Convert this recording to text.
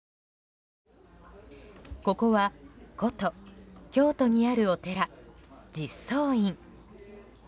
ここは古都・京都にあるお寺実相院。